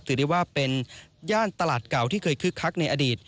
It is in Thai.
ถือได้ว่าเป็นย่านตลาดเก่าที่เคยคึกคักในอดีต